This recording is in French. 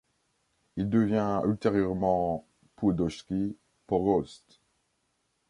Il devient ultérieurement Poudojski Pogost.